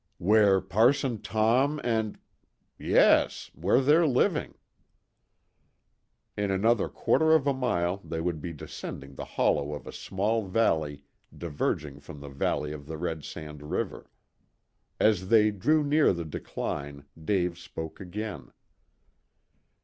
"Where Parson Tom and ?" "Yes, where they're living." In another quarter of a mile they would be descending the hollow of a small valley diverging from the valley of the Red Sand River. As they drew near the decline, Dave spoke again.